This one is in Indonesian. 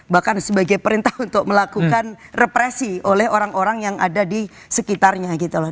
bahkan sebagai perintah untuk melakukan represi oleh orang orang yang ada di sekitarnya gitu loh